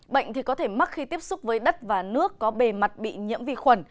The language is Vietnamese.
bệnh thì có thể mắc khi tiếp xúc với đất và nước có bề mặt bị nhiễm vi khuẩn